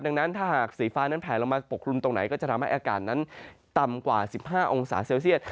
ดังนั้นถ้าหากสีฟ้านั้นแผลลงมาปกคลุมตรงไหนก็จะทำให้อากาศนั้นต่ำกว่า๑๕องศาเซลเซียต